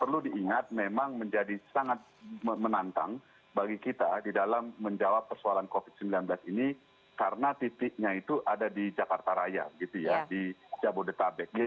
perlu diingat memang menjadi sangat menantang bagi kita di dalam menjawab persoalan covid sembilan belas ini karena titiknya itu ada di jakarta raya gitu ya di jabodetabek